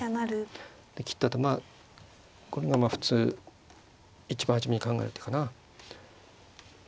切ったあとまあこれが普通一番初めに考える手かな。